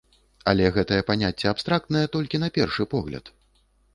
Але гэтае паняцце абстрактнае толькі на першы погляд.